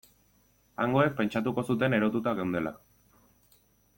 Hangoek pentsatuko zuten erotuta geundela.